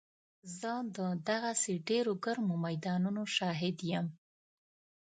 زه د دغسې ډېرو ګرمو میدانونو شاهد یم.